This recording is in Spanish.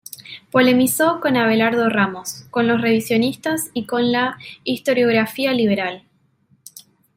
Polemizó con Abelardo Ramos, con los revisionistas y con la historiografía liberal.